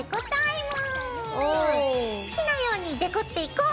好きなようにデコっていこう！